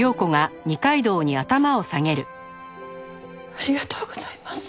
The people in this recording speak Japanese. ありがとうございます！